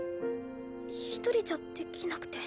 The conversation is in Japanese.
一人じゃできなくて。